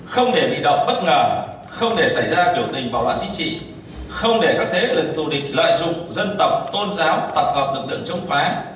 không để bị động bất ngờ không để xảy ra biểu tình bạo loạn chính trị không để các thế lực thù địch lợi dụng dân tộc tôn giáo tập hợp lực chống phá